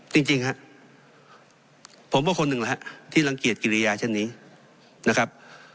จริงฮะผมว่าคนหนึ่งแหละฮะที่รังเกียจกิริยาเช่นนี้นะครับ